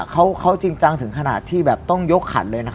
เขาจริงจังถึงขนาดที่ต้องยกขัดเลย